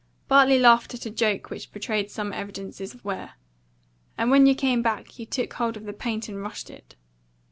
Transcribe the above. Bartley laughed at a joke which betrayed some evidences of wear. "And when you came back, you took hold of the paint and rushed it."